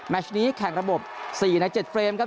ชนี้แข่งระบบ๔ใน๗เฟรมครับ